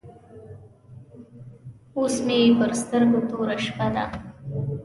اوس مې پر سترګو توره شپه ده.